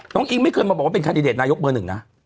น้องอิ๊งไม่เคยมาบอกว่าเป็นคาดิเดตนายกเมื่อหนึ่งนะ